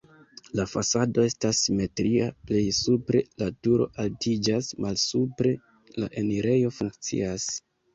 La fasado estas simetria, plej supre la turo altiĝas, malsupre la enirejo funkcias.